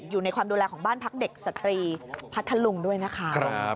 อยู่ในความดูแลของบ้านพักเด็กสตรีพัทธลุงด้วยนะคะ